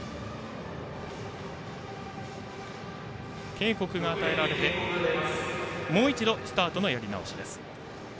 警告が与えられてもう一度スタートのやり直し。